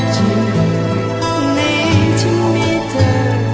จริงนี้ฉันมีเธอ